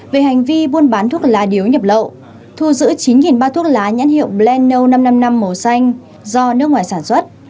về hành vi buôn bán thuốc lá điếu nhập lậu thu giữ chín ba trăm linh thuốc lá nhãn hiệu blend năm trăm năm mươi năm màu xanh do nước ngoài sản xuất